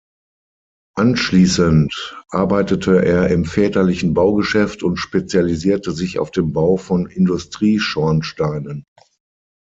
Anschließend arbeitete er im väterlichen Baugeschäft und spezialisierte sich auf den Bau von Industrie-Schornsteinen.